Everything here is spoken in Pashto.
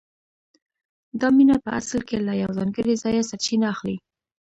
دا مینه په اصل کې له یو ځانګړي ځایه سرچینه اخلي